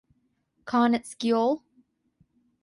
Carnets Geol.